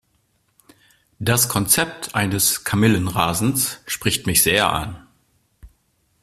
Das Konzept eines Kamillenrasens spricht mich sehr an.